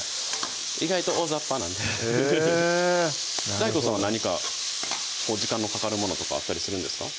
意外と大雑把なんでへぇＤＡＩＧＯさんは何か時間のかかるものとかあったりするんですか？